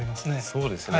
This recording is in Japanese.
そうですよね。